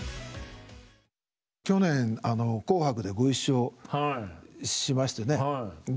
去年「紅白」でご一緒しましてね。